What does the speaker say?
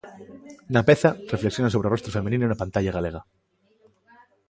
Na peza, reflexiona sobre o rostro feminino na pantalla galega.